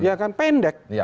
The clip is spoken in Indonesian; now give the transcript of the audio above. ya kan pendek